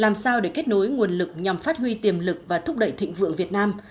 làm sao để kết nối nguồn lực nhằm phát huy tiềm lực và thúc đẩy thịnh vượng việt nam